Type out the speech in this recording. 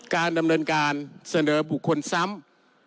การดำเนินการเสนอบุคคลซ้ำ